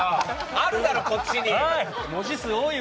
あるだろ、こっちに。